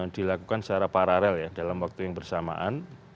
dilakukan secara paralel ya dalam waktu yang bersamaan